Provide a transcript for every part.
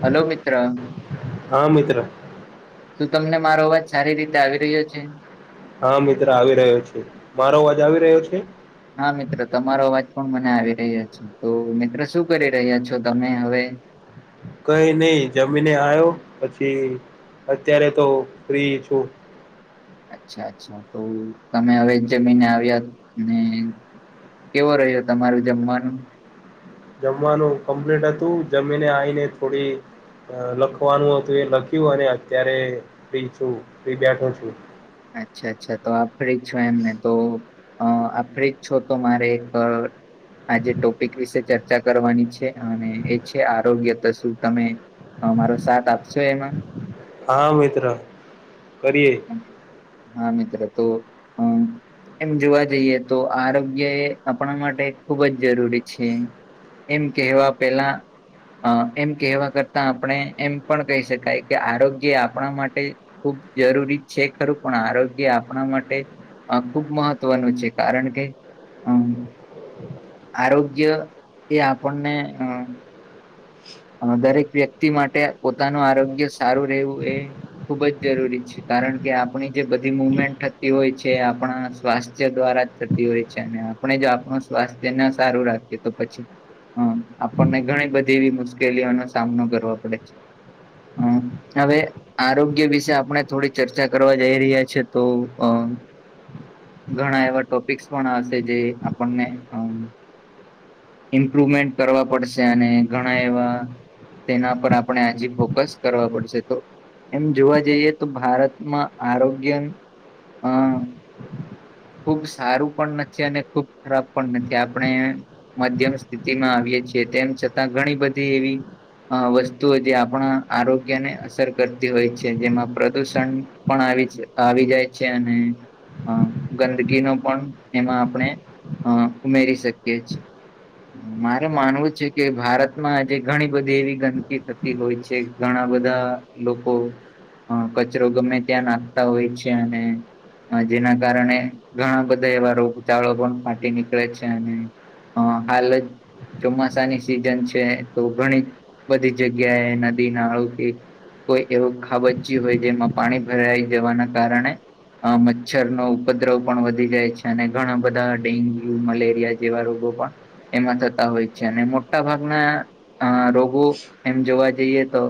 Hello મિત્ર. હા મિત્ર શું તમને મારો અવાજ સારી રીતે આવી રહ્યો છે. હા મિત્ર આવી રહ્યો છે મારો અજ આવી રહ્યો છે. હા મિત્રો તમારો અવાજ પણ મને આવી રહ્યા છે તો મિત્રો શું કરી રહ્યા છો તમે હવે. કઈ નહી જમીને આવ્યો પછી અત્યારે તો ફ્રી છું. અચ્છા અચ્છા તો તમે હવે જમીહિને આવ્યા ને કેવો રહ્યો તમારું જમવાનું. જમવાનું કમ્પ્લેટ હતું જમીને આવીને થોડી. લખવાનું હતું એ લખ્યું અને અત્યારે ફ્રી છું ફ્રી બેઠો છું. અચ્છા અચ્છા તો આપ ફ્રી છો એમને તો અ આ ફ્રિજ છો તો મારે એક આજે ટોપિક વિશે ચર્ચા કરવાની છે અને એ છે આરોગ્ય તો શું તમે. હ મારો સાથ આપશો એમાં. હા મિત્ર કરીયએ. હા મિત્ર તો અ. એમ જોવા જઈએ તો આરોગ્ય એ આપણા માટે ખુબ જ જરૂરી છે. એમ કેહેવા પેલા. અ એમ કહેવા કરતા આપણે એમ પણ કહી શકાય કે આરોગ્ય આપણા માટે. ખૂબ જરૂરી છે ખરું પણ આરોગ્ય આપણા માટે. આ ખુબ મહત્વનું છે કારણ કે અમ. આરોગ્ય એ આપણને અ. દરેક વ્યક્તિ માટે પોતાનું આરોગ્ય સારું રહેવું એ ખુબ જ જરૂરી છે. કારણ કે આપણી જે બધી મુવમેન્ટ થતી હોય છે આપણા સ્વાસ્થ્ય દ્વારા જ થતી હોય છે અને. આપણે જો આપણું સ્વાસ્થ્ય ન સારું રાખીએ તો પછી અ આપણને ઘણી બધી એવી મુશકલી. મુકેલીઓ નો સામનો કરવો પડે છે હમ હવે. આરોગ્ય વિશે આપણે થોડી ચર્ચા કરવા જઈ રહ્યા છે તો અ ઘણા એવા ટોપિક્સ પણ હશે જે આપણને. ઈમ્પ્રુવમેન્ટ કરવા પડશે અને ઘણા એવા. તેના પર આપણે આજી ફોકસ કરવા પડશે તો એમ જોવા જઈએ તો ભારતમાં આરોગ્ય અ. ખુબ સારું પણ નથી અને ખુબ ખરાબ પણ નથી આપણે. મધ્યમ સ્થિતિ માં આવીએ છીએ તેમ છતાં ઘણી બધી એવી. અ વસ્તુઓ જે આપણા આરોગ્યને અસર કરતી હોય છે જેમાં પ્રદુષણ પણ આવી આવી જાય છે અને હ. ગંદકીનો પણ એમાં આપણે અ ઉમેરી શકીએ છીએ. મારે માનવું છે કે ભારતમાં આજે ઘણી બધી એવી ગંદકી થતી હોય છે ઘણા બધા. લોકો. અ કચરો ગમે ત્યાં નાખતા હોય છે અને જેના કારણે. ઘણા બધા એવા રોગચળો પણ ફાટી નીકળે છે અને હાલ જ. ચોમાસાની સિઝન છે તો ઘણી બધી જગ્યાએ નદી નાળુથી. કોઈ એવું ખાબચી હોય જેમાં પાણી ભરાઈ જવાના કારણે. આ મચ્છર નો. ઉપદ્રવ પણ વધી જાય છે અને ઘણા બધા ડેન્ગ્યુ મલેરિયા જેવા રોગો પણ. એમાં થતા હોય છે અને મોટા ભાગના. અ રોગું એમ જોવા જઈએ તો.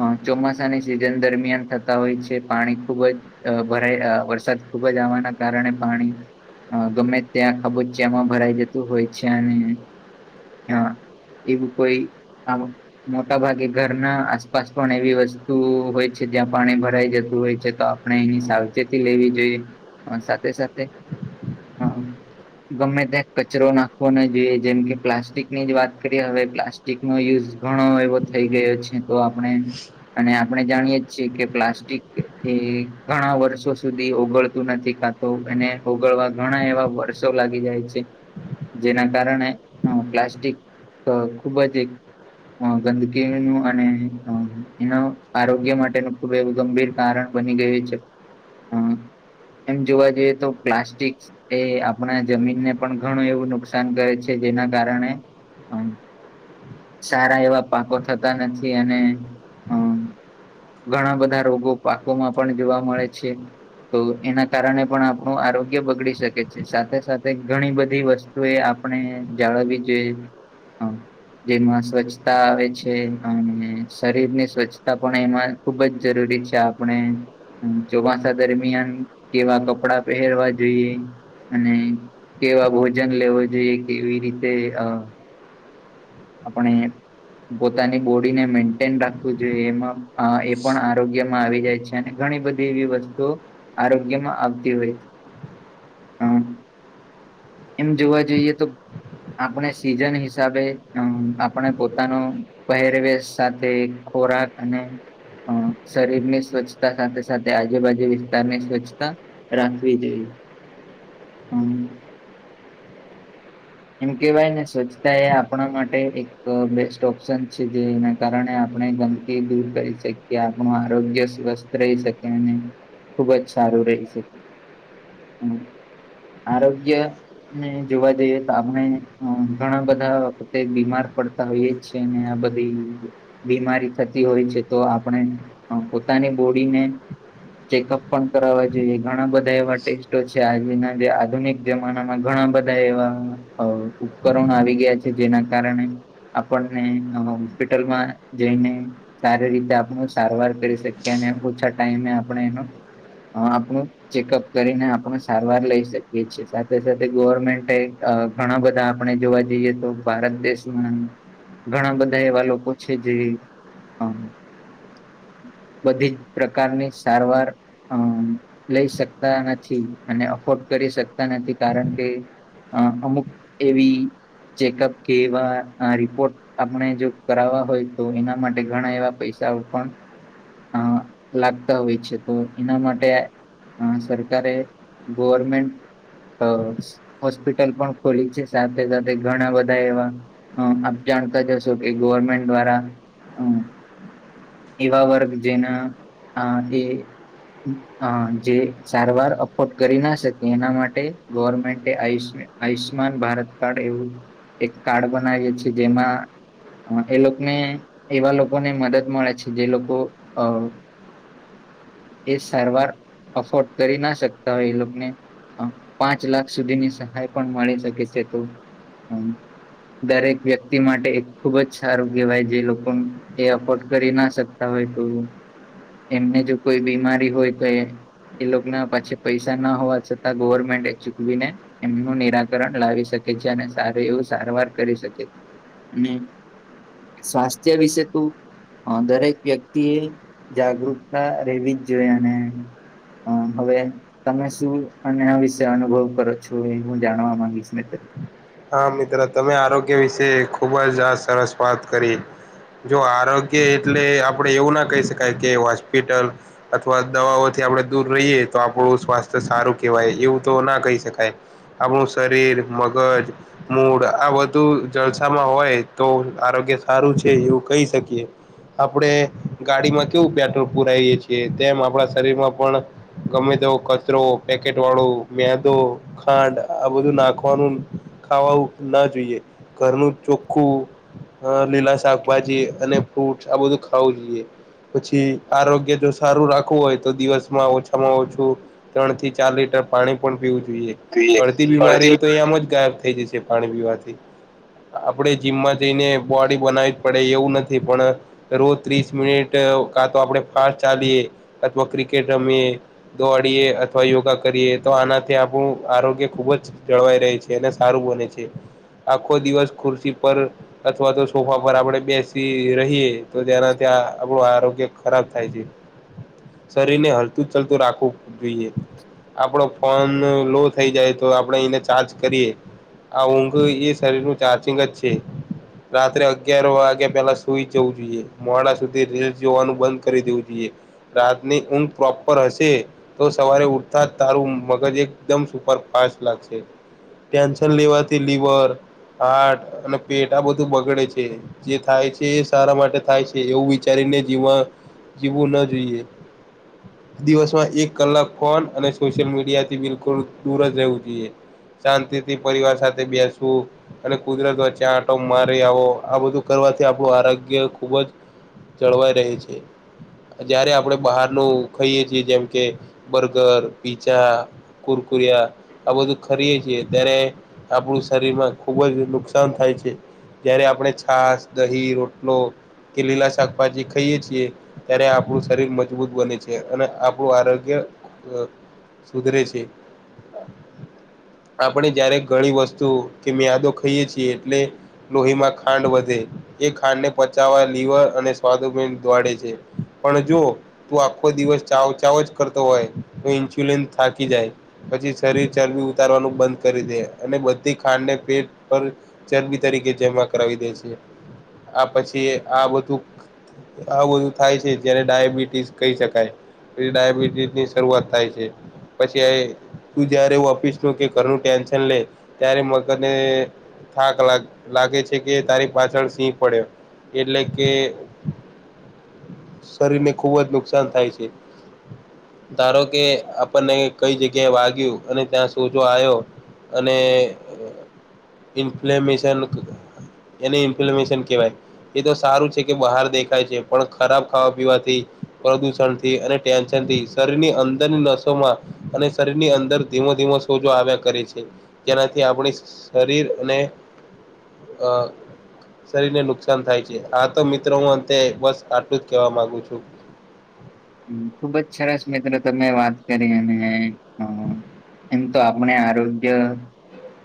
હ ચોમાસાની સિઝન દરમિયાન થતા હોય છે પાણી ખુબ જ. અ ભરાય વરસાદ ખુબ જ આવાના. કારણે પાણી ગમે ત્યાં ખબુચિયામાં ભરાઈ જતું હોય છે અને. હ એવું કોઈ આ. મોટા ભાગે ઘરના આસપાસ પણ એવી વસ્તુ હોય છે જ્યાં પાણી ભરાઈ જતું હોય છે તો આપણે એની સાવચેતી લેવી જોઈએ સાથે સાથે હ ગમે ત્યાં કચરો નાખવો ના જોઈએ જેમ કે પ્લાસ્ટિક ની જ વાત કરીએ હવે પ્લાસ્ટ નો યુઝ ઘણો એવો થઈ ગયો છે તો આપણે. અને આપણે જાણીય છીએ કે પ્લાસ્ટિક એ ઘણા વર્ષો સુધી ઓગળતું નથી. તો એને ઓગળવા ઘણા એવા વર્ષો લાગી જાય છે. જેના કારણે પ્લાસ્ટિક ખુબ જ એક. ગંદકીનુંનું અને એના આરોગ્ય માટેનું ખૂબ એવું ગંભીર. કારણ બની ગયું છે હમ. એમ જોવા જઈએ તો પ્લાસ્ટિક એ આપણા જમીનને પણ ઘણું એવું નુકસાન કરે છે જેના કારણે. હમ. સારા એવા પાકો થતા નથી અને અમ. ઘણા બધા રોગો પાકોમાં પણ જોવા મળે છે તો એના. કારણે પણ આપણું આરોગ્ય બગડી શકે છે સાથે સાથે ઘણી બધી વસ્તુ એ. આપ જાળ બી જો હ જેમાં સ્વચ્છતા આવે છે અને શરીર ની સ્વચ્છતા પણ એમાં. ખુબ જ જરૂરી છે આપણે ચોમાસા દરમિયાન કેવા કપડા પહેરવા જોઈએ અને કેવા ભોજન લેવો જોઈએ કેવી રીતે આપણે પોતાની બોડીને મેન્ટેન રાખવું જોઈએ એમાં એ પણ આરોગ્યમાં આવી જાય છે ઘણી બધી એવી વસ્તુઓ આરોગ્યમાં આવતી હોય છે હમ એમ જોવા જઈએ તો આપણે સીઝન હિસાબે અમ આપણે પોતાનો પહેરવેશ સાથે ખોરાક અને. અ શરીર ની સ્વચ્છતા સાથે સાથે આજુબાજુ વિસ્તારની સ્વચ્છતા. રાખવી તેવી હમ. એમ કેવાય ને સોચતા એ આપ આપણા માટે એક બેસ્ટ ઓપ્શન છે જેના કારણે આપણે ગંદકી દૂર કરી શકીએ કે આપણું આરોગ્ય સ્વસ્થ રહી શકે અને ખુબ જ સારું રહી શકે હમ આરોગ્ય ને જોવા જઈએ તો આપણે ઘણા બધા બીમાર પડતા હોય એ જ છે ને આ બધી બીમારી થતી હોય છે તો આપણે પોતાની બોડીને ચેકઅપ પણ કર જોઈએ ઘણા બધા એવા ટેસ્ટો છે આજના જે આધુનિક જમાનામાં ઘણા બધા એવા ઉપકરણો આવી ગયા છે જેના કારણે આપણને હોસ્પિટલમાં જઈને સારી રીતે આપણું સારવાર કરી શકીએ અને ઓછા ટાઈમે આપણે એનું આપણું ચેકઅપ કરીને આપણે સારવાર લઈ શકીએ છીએ સાથે સાથે ગવર્મેન્ટ. ઘણા બધા આપણે જોવા જઈએ તો ભારત દેશમાં ઘણા બધા એવા લોકો છે જે હમ બધી જ પ્રકારની સારવાર. અમ લઈ શકતા નથી અને અફોર્ડ કરી શકતા નથી કારણ કે અ અમુક એવી ચેકઅપ કે એવા રિપોર્ટ આપણે જો કરાવવા હોય તો એના માટે ઘણા એવા પૈસાઓ પણ. અ લાગતા હોય છે તો એના માટે હ સરકારે ગવર્મેન્ટ તો હોસ્પિટલ પણ ખુલી છે સાથે સાથે ઘણા બધા બધા એવા અભિયાન કર્યો છે કે ગવર્મેન્ટ દ્વારા એવા વર્ગ જેના આ એ અ જે સારવાર અફોર્ડ કરી ના શકે એના માટે ગવર્મેન્ટ આયુષમાન આયુષ્યમાન ભારત કાર્ડ એવું એક કાર્ડ બનાવીએ છેએ જેમાં એ લોકોને એવા લોકોને મદદ મળે છે જે લોકો અ એ સારવાર અફોર્ડ કરી ના શકતા હોય એ લોકોને પાંચ લાખ સુધીની સહાય પણ મળી શકે છે તો હમ્મ દરેક વ્યક્તિ માટે ખુબ જ સારું કહેવાય જે લોકોનુ એ અફોર્ડ કરી ના શકતા હોય તો એમને જો કોઈ બીમારી હોય તો એ એ લોકો ના પાછે પૈસા ના હોવા છતાં ગવર્મેન્ટ એ ચૂકવીને એમનું નિરાકરણ લાવી શકે છે અને એવું સારવાર કરી શકે અને સ્વાસ્થ્ય વિશે તું અ દરેક વ્યક્તિ એ જાગૃતતા રહેેવી જ જોઈએ અને હ હવે તમે શું અને આ વિશે અનુભવ કરો છો એ હું જાણવા માંગીશ મિત્ર હા મિત્ર તમે આરોગ્ય વિશે ખુબ જ આ સરસ વાત કરી જો આરોગ્ય એટલે આપડે એવું ના કહી શકાય કે હોસ્પિટલ અથવા દવાઓથી આપણે દૂર રહીએ તો આપણું સ્વાસ્થ્ય સારું કહેવાય એવું તો ના કહી શકાય આપણુ શરીર મગજ મૂળ આ બધું જળસામાં હોય તો આરોગ્ય સારું છે એવું કહી શકીએ આપણેે ગાડીમાં કેવું પેટ્રોલ પુરાવીએ છીએ તેમ આપણા શરીર માં પણ ગમે તેવો કચરો પેકેટ વાળું મેદો ખાંડ આ બધું નાખવાનું ખાવવું ના જોઈએ ઘરનું ચોખ્ખું અ લીલા શાકભાજી અને ફ્રૂટ આ બધું ખાવું જોઈએ પછી આરોગ્ય જો સારું રાખવું હોય તો દિવસમાં ઓછામાં ઓછું ત્રણ થી ચાર લીટર પાણી પણ પીવું જોઈએ અડધી બીમારીઓ તો એમ જ ગાયબ થય જશે પાણી પીવાથી આપણે જીમમાં જઈને બોડી બનાવી પડે એવું નથી પણ રોજ ત્રીસ મિનિટ કા તો આપણે ફાસ્ટ ચાલીએ અથવા ક્રિકેટ રમીએ દોડીએ અથવા યોગા કરીએ તો આનાથી આપણ આરોગ્ય ખુબ જ જળવાઈ રહી છે સારું બને છે આખો દિવસ ખુરશી પર અથવા તો સોફા પર આપડણે બેસી રહીએ તો તેનાથી આપણું આરોગ્ય ખરાબ થાય છે [inaudible] શરીર ને હલતું જ ચલતું રાખવું જોઈએ આપડો ફોન લો થઈ જાય તો આપણે એને ચાર્જ કરીએ આ ઊંઘ એ શરીર નું ચાર્જિંગ જ છે રાત્રે અગિયાર વાગ્યા પેલા સુઈ જવું જોઈએ મોડા સુધી રેલ જોવાનું બંધ કરી દેવું જોઈએ રાતની ઊંઘ પ્રોપર હશે તો સવારે ઉઠતા જ તારું મગજ એકદમ સુપર ફાસ્ટ લાગશે ટેન્શન લેવાથી લિવર હાર્ટ અને પેટ આ બધું બગડે છે. જે થાય છે એ સારા માટે થાય છે એવું વિચારીને જીમાં જીવવું ના જોઈએ. દિવસમાં એક કલાક ફોન અને સોશિયલ મીડિયા થી બિલકુલ દૂર જ રહેવું જોઈએ શાંતિથી પરિવાર સાથે બેસવું અને કુદરત વચ્ચે આંટો મારી આવો આ બધું કરવાથી આપણું આરોગ્ય ખુબ જ જળવાઈ રહી છે જયારે આપડે બહારનું ખાઈએ છીએ જેમ કે બર્ગર પીઝા કુરકુરિયા, આવ બધ ખરી ત્યારે આપણું શરીરમાં ખુબ જ નુકસાન થાય છે. જયારે આપણે છાસ દહી રોટલો કે લીલા શાકભાજી ખાઈએ છીએ. ત્યારે આપણું શરીર મજબૂત બને છે અને આપણું આરોગ્ય સુધરે છે. [unintelligible] આપણે જયારે ઘણી વસ્તુ કે મ્યાદો ખઈએ છીએ એટલે. લોહીમાં ખાંડ વધે. એ ખાંડને પચાવવા લવર અને સ્વાદ દોડે છે, પણ જો તું આખો દિવસ ચાવ ચાવ જ કરતો હોય, તો ઈન્સ્યુલિન થાકી જાય. પછી શરીર ચરબી ઉતારવાનું બંધ કરી દે અને બધી ખાંડ ને પેટ પર. ચરબી તરીકે જેમા કરાવી દે છે, આ પછી આ બધું આ બધું થાય છે જયારે ડાયાબિટીસ કહી શકાય. ડબસ ની શરૂઆત થાય છે, પછી તું જયારેપી કે ઘરનું ટેન્શન લે, ત્યારે મગજને થાક લાગે છે કે તારીખ પાછળ સિંહ પડ્યો. એટલે કે શરીર ને ખુબ જ નુકસાન થાય છે. ધારો કે આપણને કઈ જગ્યાએ વાગ્યું અને ત્યાં સુ તું જો આયો, અને ઇમ્ફલેમિસન ક એની ઇન્ફ્લમેશન કેવાય. એ તો સારું છે કે બહાર દેખાય છે પણ ખરાબ ખાવા પીવાથી, પ્રદુષણથી તે અને ટેન્શન થી શરીરની અંદરની નસોમાં, અને શરીર ની અંદર ધીમો ધીમો સોજો આવ્યા કરે છે, જેનાથી આપડી સ શરીર અને અ શરીર ને નુકસાન થાય છે આ તો મિત્રો હું અંતે બસ આટલું જ કેવા માંગુ છું. હ ખુબ જ સરસ મિત્ર તમે વાત કરી અને અ એમ તો આપણે આરોગ્ય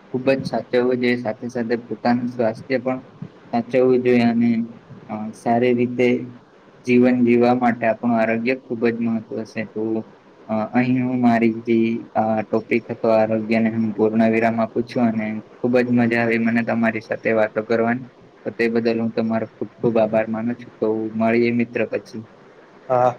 ખુબ જ સાચવવું જોઈએ સાથે એ સાથે પોતાનું સ્વાસ્થ્ય પણ. સાચવવું જોઈએ, અને અ સારી રીતે જીવન જીવવા માટે આપણું આરોગ્ય ખુબ જ મહત્વ છે તો. અ અહીં હું મારી જે અ ટોપિક હતો આરોગ્યને હું પૂર્ણ વિરામ આપું છું અને ખુબ જ મઝા આવી મને તમારી સાથે વાતો કરવાની. તો તે બદલ હું તમારો ખુબ ખુબ આભાર માનું છું તો મળીએ મિત્ર પછી. હા.